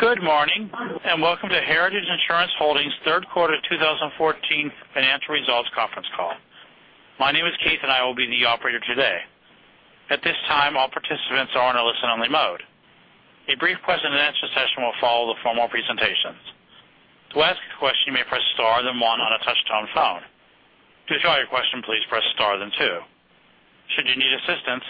Good morning, welcome to Heritage Insurance Holdings' third quarter 2014 financial results conference call. My name is Keith, and I will be the operator today. At this time, all participants are in a listen-only mode. A brief question-and-answer session will follow the formal presentations. To ask a question, you may press star then one on a touch-tone phone. To withdraw your question, please press star, then two. Should you need assistance,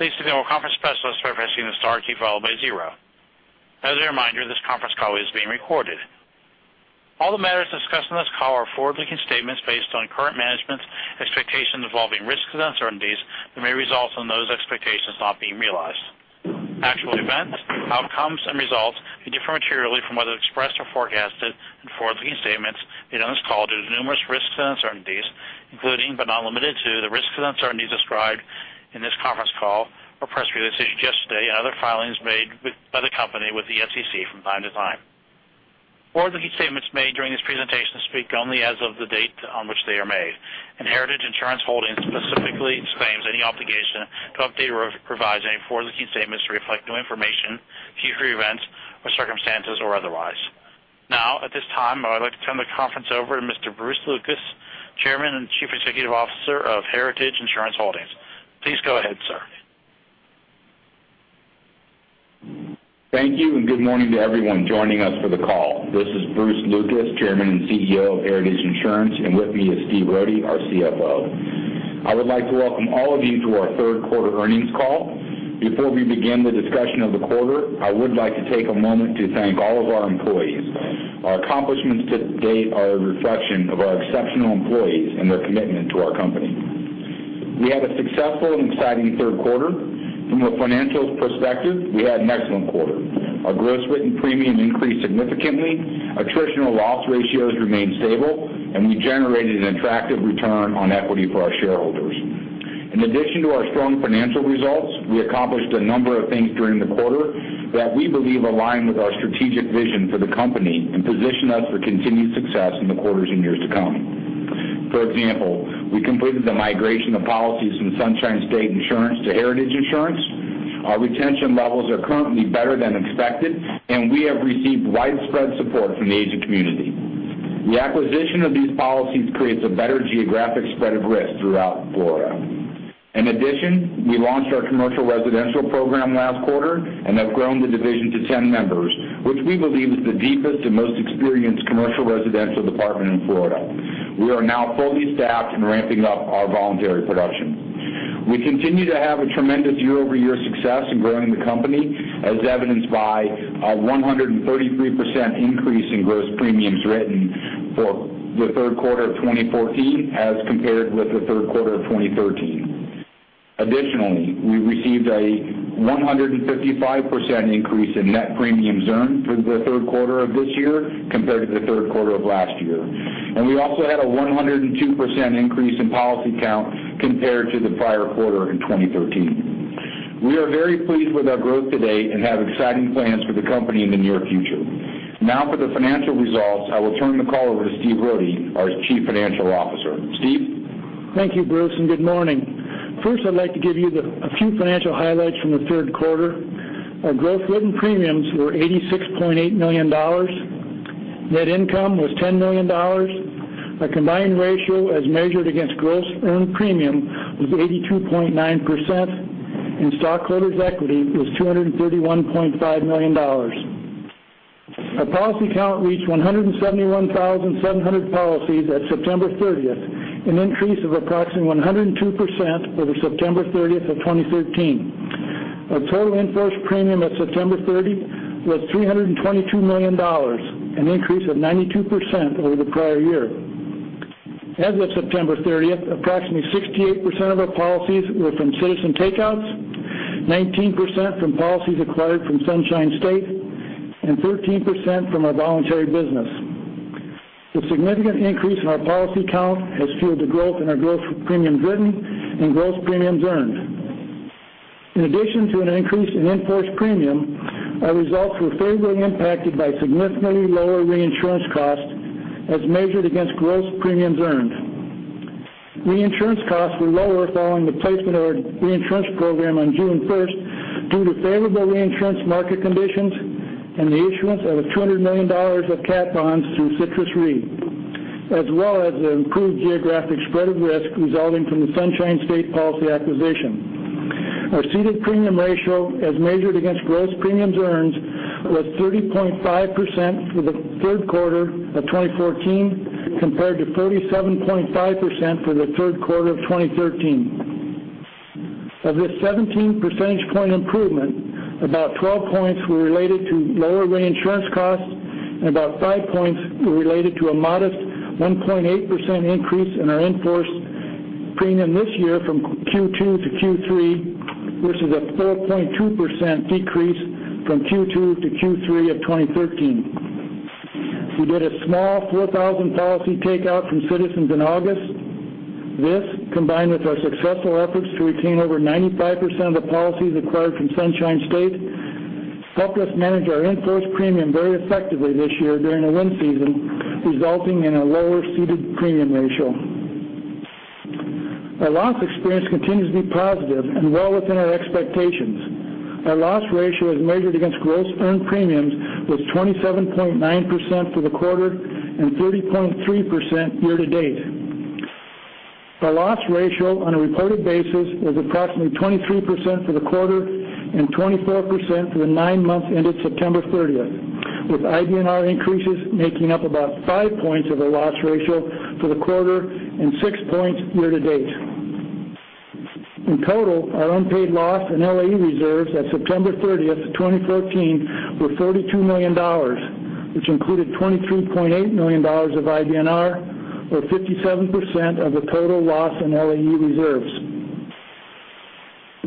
please signal a conference specialist by pressing the star key followed by zero. As a reminder, this conference call is being recorded. All the matters discussed on this call are forward-looking statements based on current management's expectations involving risks and uncertainties that may result in those expectations not being realized. Actual events, outcomes, and results may differ materially from those expressed or forecasted in forward-looking statements made on this call due to numerous risks and uncertainties, including but not limited to, the risks and uncertainties described in this conference call or press release issued yesterday and other filings made by the company with the SEC from time to time. Forward-looking statements made during this presentation speak only as of the date on which they are made, Heritage Insurance Holdings specifically disclaims any obligation to update or revise any forward-looking statements to reflect new information, future events, or circumstances or otherwise. Now, at this time, I would like to turn the conference over to Mr. Bruce Lucas, Chairman and Chief Executive Officer of Heritage Insurance Holdings. Please go ahead, sir. Thank you, good morning to everyone joining us for the call. This is Bruce Lucas, Chairman and CEO of Heritage Insurance, and with me is Steve Rohde, our CFO. I would like to welcome all of you to our third quarter earnings call. Before we begin the discussion of the quarter, I would like to take a moment to thank all of our employees. Our accomplishments to date are a reflection of our exceptional employees and their commitment to our company. We had a successful and exciting third quarter. From a financial perspective, we had an excellent quarter. Our gross written premium increased significantly, attritional loss ratios remained stable, we generated an attractive return on equity for our shareholders. In addition to our strong financial results, we accomplished a number of things during the quarter that we believe align with our strategic vision for the company and position us for continued success in the quarters and years to come. For example, we completed the migration of policies from Sunshine State Insurance to Heritage Insurance. Our retention levels are currently better than expected, we have received widespread support from the agent community. The acquisition of these policies creates a better geographic spread of risk throughout Florida. In addition, we launched our commercial residential program last quarter and have grown the division to 10 members, which we believe is the deepest and most experienced commercial residential department in Florida. We are now fully staffed, ramping up our voluntary production. We continue to have a tremendous year-over-year success in growing the company, as evidenced by a 133% increase in gross premiums written for the third quarter of 2014 as compared with the third quarter of 2013. Additionally, we received a 155% increase in net premiums earned through the third quarter of this year compared to the third quarter of last year. We also had a 102% increase in policy count compared to the prior quarter in 2013. We are very pleased with our growth to date and have exciting plans for the company in the near future. Now for the financial results, I will turn the call over to Steve Rohde, our Chief Financial Officer. Steve? Thank you, Bruce, good morning. First, I'd like to give you a few financial highlights from the third quarter. Our gross written premiums were $86.8 million. Net income was $10 million. Our combined ratio as measured against gross earned premium was 82.9%, stockholders' equity was $231.5 million. Our policy count reached 171,700 policies at September 30th, an increase of approximately 102% over September 30th of 2013. Our total in-force premium at September 30 was $322 million, an increase of 92% over the prior year. As of September 30th, approximately 68% of our policies were from Citizens takeouts, 19% from policies acquired from Sunshine State, 13% from our voluntary business. The significant increase in our policy count has fueled the growth in our gross premiums written and gross premiums earned. In addition to an increase in in-force premium, our results were favorably impacted by significantly lower reinsurance costs as measured against gross premiums earned. Reinsurance costs were lower following the placement of our reinsurance program on June 1st due to favorable reinsurance market conditions and the issuance of a $200 million of cat bonds through Citrus Re, as well as the improved geographic spread of risk resulting from the Sunshine State policy acquisition. Our ceded premium ratio as measured against gross premiums earned was 30.5% for the third quarter of 2014 compared to 37.5% for the third quarter of 2013. Of this 17 percentage point improvement, about 12 points were related to lower reinsurance costs and about five points were related to a modest 1.8% increase in our in-force premium this year from Q2 to Q3, versus a 4.2% decrease from Q2 to Q3 of 2013. We did a small 4,000 policy takeout from Citizens in August. This, combined with our successful efforts to retain over 95% of the policies acquired from Sunshine State, helped us manage our in-force premium very effectively this year during the wind season, resulting in a lower ceded premium ratio. Our loss experience continues to be positive and well within our expectations. Our loss ratio, as measured against gross earned premiums, was 27.9% for the quarter and 30.3% year-to-date. Our loss ratio on a reported basis was approximately 23% for the quarter and 24% for the nine months ended September 30th, with IBNR increases making up about five points of the loss ratio for the quarter and six points year-to-date. In total, our unpaid loss and LAE reserves at September 30th, 2014, were $42 million, which included $23.8 million of IBNR, or 57% of the total loss in LAE reserves.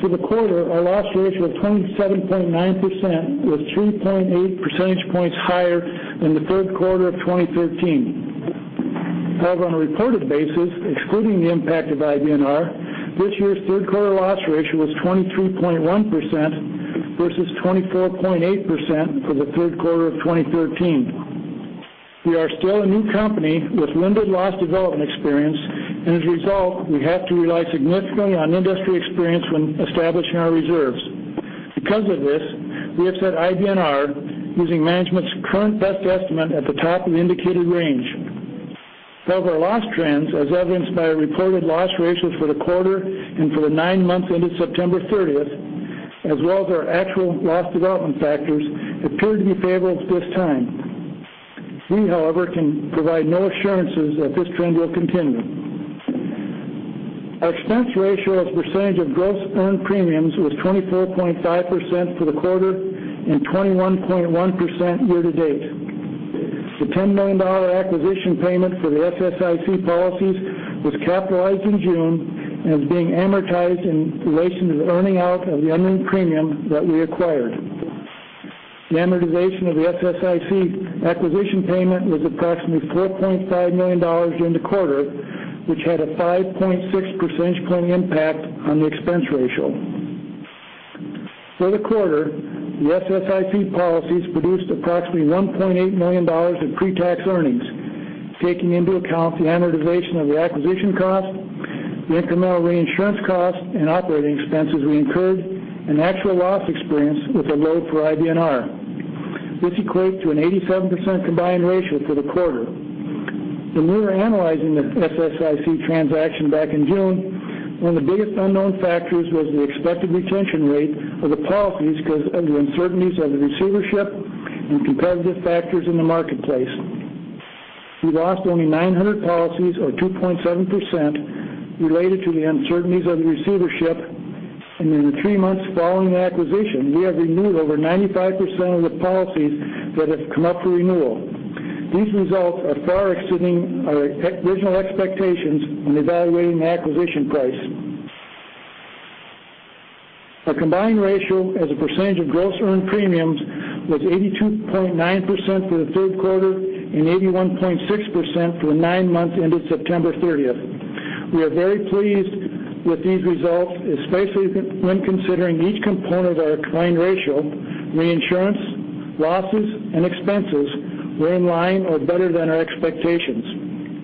For the quarter, our loss ratio of 27.9% was 3.8 percentage points higher than the third quarter of 2013. However, on a reported basis, excluding the impact of IBNR, this year's third quarter loss ratio was 23.1% versus 24.8% for the third quarter of 2013. We are still a new company with limited loss development experience, and as a result, we have to rely significantly on industry experience when establishing our reserves. Because of this, we have set IBNR using management's current best estimate at the top of the indicated range. While their loss trends, as evidenced by our reported loss ratios for the quarter and for the nine months ended September 30th, as well as our actual loss development factors, appear to be favorable at this time. We, however, can provide no assurances that this trend will continue. Our expense ratio as a percentage of gross earned premiums was 24.5% for the quarter and 21.1% year-to-date. The $10 million acquisition payment for the SSIC policies was capitalized in June and is being amortized in relation to the earning out of the unearned premium that we acquired. The amortization of the SSIC acquisition payment was approximately $4.5 million in the quarter, which had a 5.6 percentage point impact on the expense ratio. For the quarter, the SSIC policies produced approximately $1.8 million in pre-tax earnings, taking into account the amortization of the acquisition cost, the incremental reinsurance costs and operating expenses we incurred, and actual loss experience with a load for IBNR. This equates to an 87% combined ratio for the quarter. When we were analyzing the SSIC transaction back in June, one of the biggest unknown factors was the expected retention rate of the policies because of the uncertainties of the receivership and competitive factors in the marketplace. We lost only 900 policies or 2.7% related to the uncertainties of the receivership, and in the three months following the acquisition, we have renewed over 95% of the policies that have come up for renewal. These results are far exceeding our original expectations when evaluating the acquisition price. Our combined ratio as a percentage of gross earned premiums was 82.9% for the third quarter and 81.6% for the nine months ended September 30th. We are very pleased with these results, especially when considering each component of our combined ratio, reinsurance, losses, and expenses were in line or better than our expectations.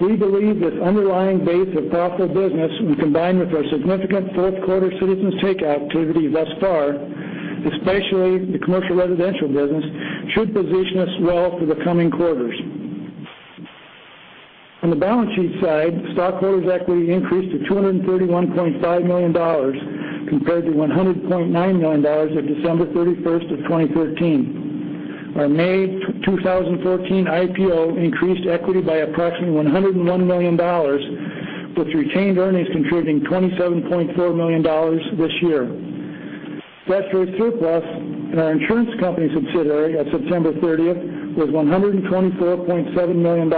We believe this underlying base of profitable business, when combined with our significant fourth quarter Citizens takeout activity thus far, especially the commercial residential business, should position us well for the coming quarters. On the balance sheet side, stockholders' equity increased to $231.5 million compared to $100.9 million at December 31st of 2013. Our May 2014 IPO increased equity by approximately $101 million, with retained earnings contributing $27.4 million this year. Statutory surplus in our insurance company subsidiary at September 30th was $124.7 million.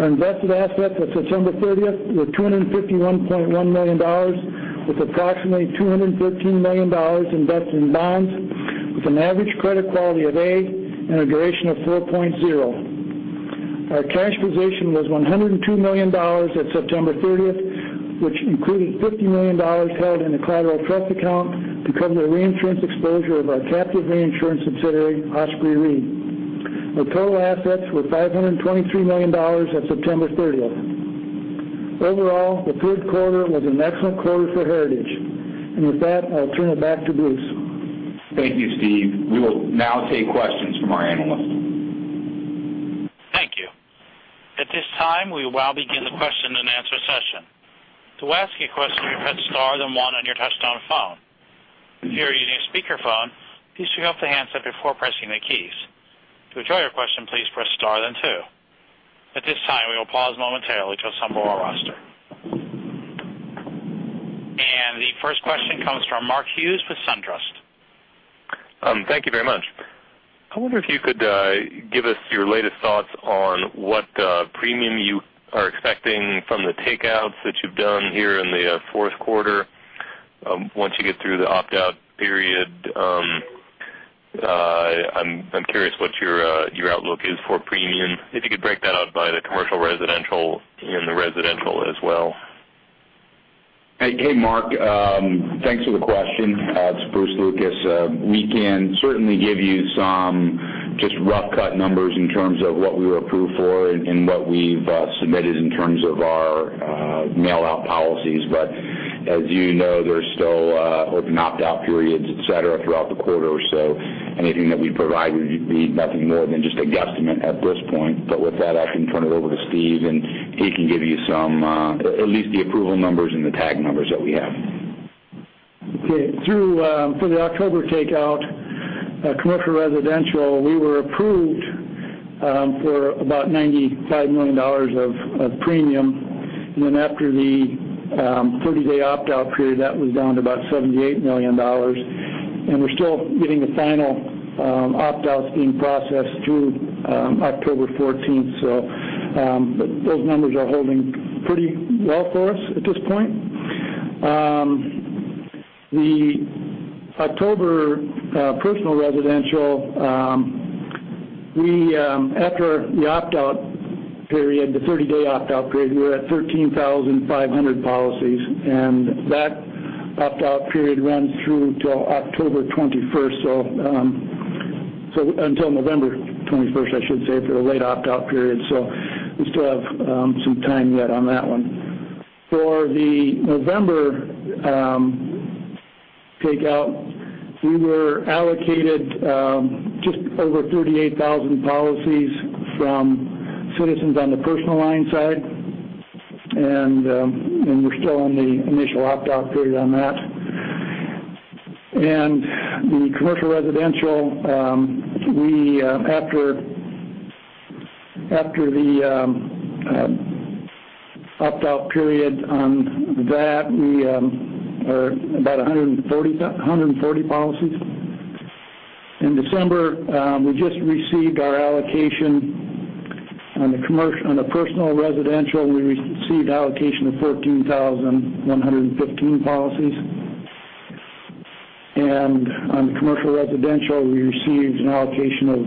Our invested assets at September 30th were $251.1 million, with approximately $213 million invested in bonds with an average credit quality of A and a duration of 4.0. Our cash position was $102 million at September 30th, which included $50 million held in a collateral trust account to cover the reinsurance exposure of our captive reinsurance subsidiary, Osprey Re. Our total assets were $523 million at September 30th. Overall, the third quarter was an excellent quarter for Heritage. With that, I'll turn it back to Bruce. Thank you, Steve. We will now take questions from our analysts. Thank you. At this time, we will now begin the question-and-answer session. To ask a question, press star then one on your touch-tone phone. If you are using a speakerphone, please pick up the handset before pressing the keys. To withdraw your question, please press star then two. At this time, we will pause momentarily to assemble our roster. The first question comes from Mark Hughes with SunTrust. Thank you very much. I wonder if you could give us your latest thoughts on what premium you are expecting from the takeouts that you've done here in the fourth quarter. Once you get through the opt-out period, I'm curious what your outlook is for premium. If you could break that out by the commercial residential and the residential as well. Hey, Mark. Thanks for the question. It's Bruce Lucas. We can certainly give you some just rough cut numbers in terms of what we were approved for and what we've submitted in terms of our mail out policies. As you know, there's still open opt-out periods, et cetera, throughout the quarter, so anything that we provide would be nothing more than just a guesstimate at this point. With that, I can turn it over to Steve, and he can give you at least the approval numbers and the tag numbers that we have. Okay. For the October take out, commercial residential, we were approved for about $95 million of premium. After the 30-day opt-out period, that was down to about $78 million. We're still getting the final opt-outs being processed through October 14th. Those numbers are holding pretty well for us at this point. The October personal residential, after the opt-out period, the 30-day opt-out period, we were at 13,500 policies, and that opt-out period runs through till October 21st. Until November 21st, I should say, for the late opt-out period. We still have some time yet on that one. For the November take out, we were allocated just over 38,000 policies from Citizens on the personal line side, and we're still in the initial opt-out period on that. The commercial residential, after the opt-out period on that, we are about 140 policies. In December, we just received our allocation on the personal residential, we received allocation of 14,115 policies. On the commercial residential, we received an allocation of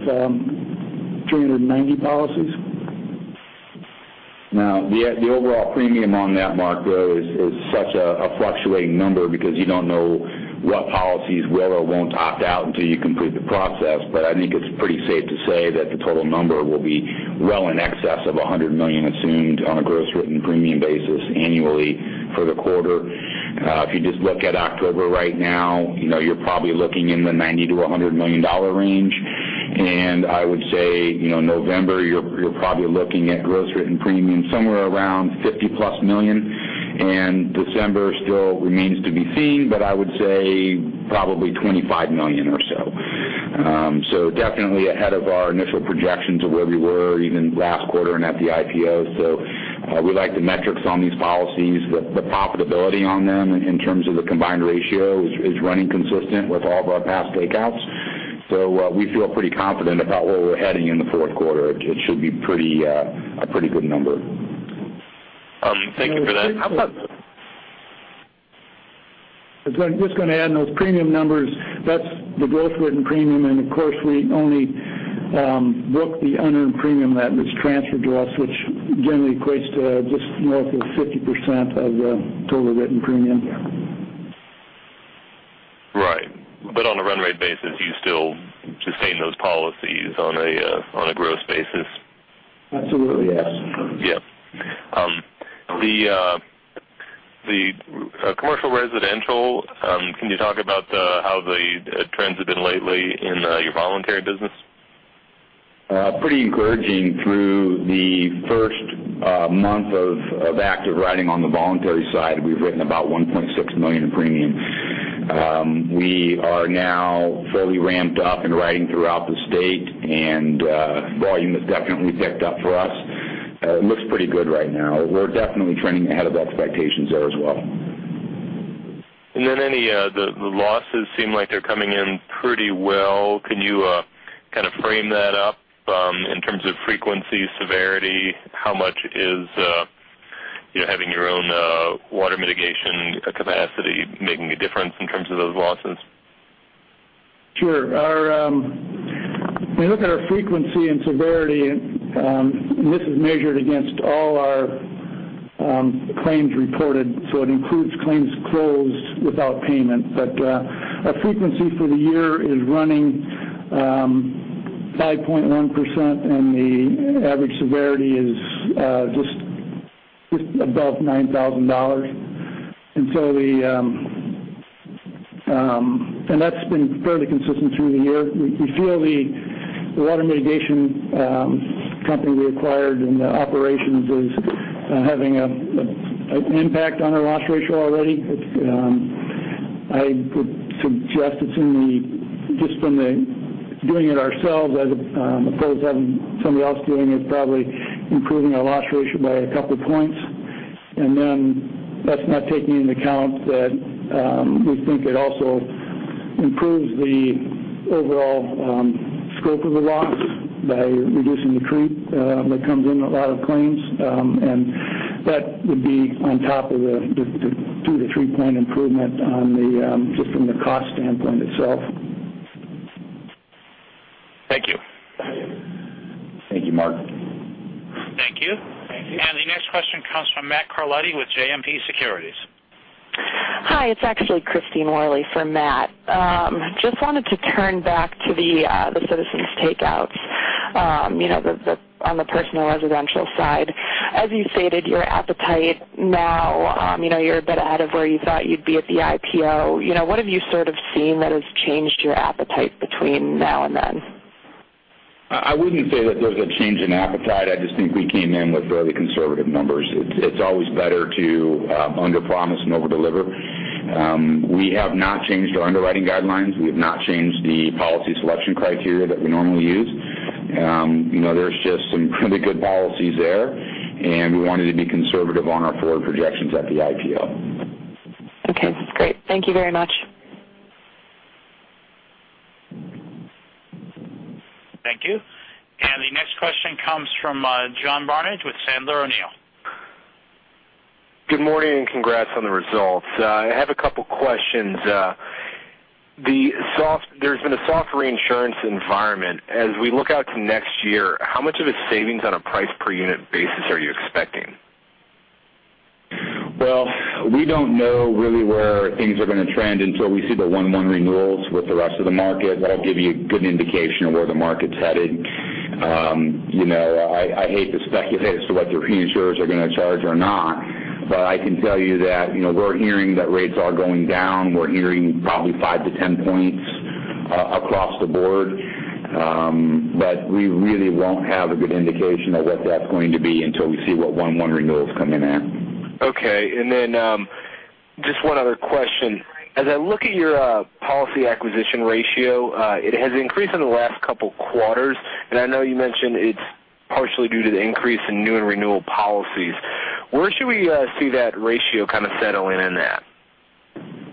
390 policies. The overall premium on that, Mark, though, is such a fluctuating number because you don't know what policies will or won't opt out until you complete the process. I think it's pretty safe to say that the total number will be well in excess of $100 million assumed on a gross written premium basis annually for the quarter. If you just look at October right now, you're probably looking in the $90 million-$100 million range. I would say, November, you're probably looking at gross written premium somewhere around $50-plus million, and December still remains to be seen, but I would say probably $25 million or so. Definitely ahead of our initial projections of where we were even last quarter and at the IPO. We like the metrics on these policies. The profitability on them in terms of the combined ratio is running consistent with all of our past Citizens takeouts. We feel pretty confident about where we're heading in the fourth quarter. It should be a pretty good number. Thank you for that. I'm just going to add on those premium numbers, that's the gross written premium, and of course, we only book the unearned premium that was transferred to us, which generally equates to just north of 50% of the total written premium. Right. On a run rate basis, you still sustain those policies on a gross basis? Absolutely, yes. Yeah. The commercial residential, can you talk about how the trends have been lately in your voluntary business? Pretty encouraging through the first month of active writing on the voluntary side, we've written about $1.6 million in premium. We are now fully ramped up and writing throughout the state. Volume has definitely picked up for us. It looks pretty good right now. We're definitely trending ahead of expectations there as well. Then the losses seem like they're coming in pretty well. Can you kind of frame that up in terms of frequency, severity? How much is having your own water mitigation capacity making a difference in terms of those losses? Sure. When you look at our frequency and severity, this is measured against all our claims reported, so it includes claims closed without payment. Our frequency for the year is running 5.1%, and the average severity is just above $9,000. That's been fairly consistent through the year. We feel the water mitigation company we acquired and the operations is having an impact on our loss ratio already. I would suggest that just from the doing it ourselves, as opposed to having somebody else doing it, probably improving our loss ratio by a couple of points. That's not taking into account that we think it also improves the overall scope of the loss by reducing the creep that comes in a lot of claims. That would be on top of the two- to three-point improvement just from the cost standpoint itself. Thank you, Mark. Thank you. Thank you. The next question comes from Matthew Carletti with JMP Securities. Hi, it's actually Christine Worley for Matt. Just wanted to turn back to the Citizens takeouts on the personal residential side. As you stated, your appetite now, you're a bit ahead of where you thought you'd be at the IPO. What have you sort of seen that has changed your appetite between now and then? I wouldn't say that there's a change in appetite. I just think we came in with fairly conservative numbers. It's always better to underpromise and overdeliver. We have not changed our underwriting guidelines. We have not changed the policy selection criteria that we normally use. There's just some pretty good policies there, and we wanted to be conservative on our forward projections at the IPO. Okay. That's great. Thank you very much. Thank you. The next question comes from John Barnidge with Sandler O'Neill. Good morning, and congrats on the results. I have a couple questions. There has been a soft reinsurance environment. As we look out to next year, how much of a savings on a price per unit basis are you expecting? Well, we do not know really where things are going to trend until we see the 1/1 renewals with the rest of the market. That will give you a good indication of where the market is headed. I hate to speculate as to what your reinsurers are going to charge or not, but I can tell you that we are hearing that rates are going down. We are hearing probably 5-10 points across the board. We really will not have a good indication of what that is going to be until we see what 1/1 renewals come in at. Okay. Then just one other question. As I look at your policy acquisition ratio, it has increased in the last couple quarters, and I know you mentioned it is partially due to the increase in new and renewal policies. Where should we see that ratio kind of settling in at?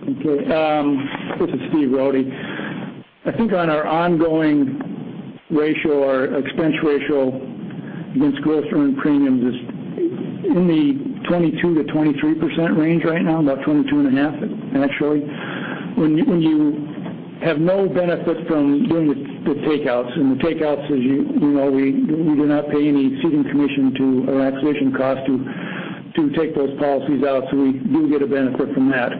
Okay. This is Stephen Rohde. I think on our ongoing ratio, our expense ratio against gross premiums earned is in the 22%-23% range right now, about 22.5% actually. When you have no benefit from doing the takeouts, and the takeouts, as you know, we do not pay any ceding commission to, or acquisition cost to take those policies out, so we do get a benefit from that.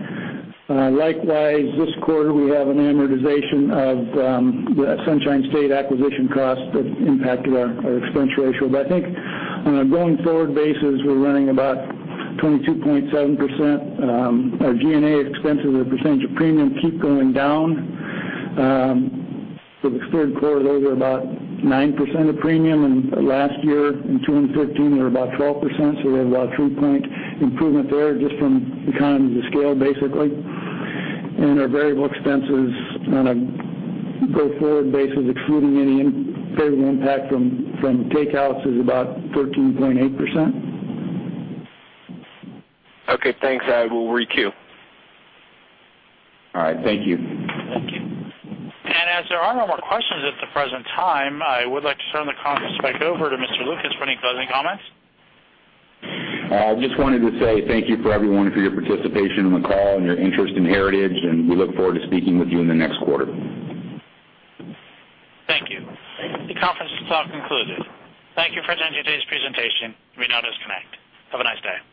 Likewise, this quarter, we have an amortization of Sunshine State acquisition costs that impacted our expense ratio. I think on a going forward basis, we're running about 22.7%. Our G&A expenses as a percentage of premium keep going down. For the third quarter, they were about 9% of premium, and last year in 2013, they were about 12%, so we have about three-point improvement there just from economies of scale, basically. Our variable expenses on a go-forward basis, excluding any favorable impact from takeouts, is about 13.8%. Okay, thanks. I will requeue. All right. Thank you. Thank you. As there are no more questions at the present time, I would like to turn the conference back over to Mr. Lucas for any closing comments. I just wanted to say thank you for everyone for your participation on the call and your interest in Heritage, and we look forward to speaking with you in the next quarter. Thank you. The conference call concluded. Thank you for attending today's presentation. You may now disconnect. Have a nice day.